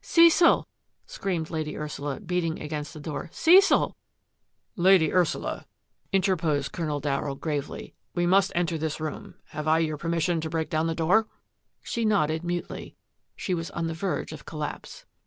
" Cecil !" screamed Lady Ursula, beating against the door, " Cecil !"" Lady Ursula," interposed Colonel Darryll ME. ROBERT SYLVESTER 46 gravely, " we must enter this room. Have I your permission to break down the door? " She nodded mutely. She was on the verge of collapse.